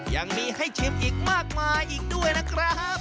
ยังมีให้ชิมอีกมากมายอีกด้วยนะครับ